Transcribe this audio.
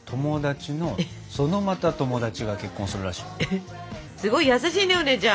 えっすごい優しいねお姉ちゃん！